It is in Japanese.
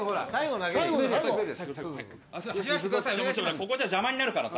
ここじゃ邪魔になるからさ